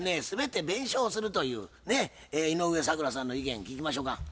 全て弁償するというね井上咲楽さんの意見聞きましょか。